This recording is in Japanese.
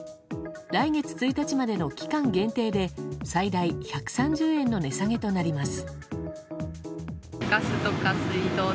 来月１日までの期間限定で最大１３０円の値下げとなります。